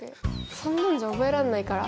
そんなんじゃ覚えらんないから。